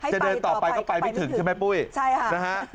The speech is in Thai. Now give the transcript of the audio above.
จะเดินต่อไปก็ไปไม่ถึงใช่ไหมปุ้ยใช่ค่ะนะฮะ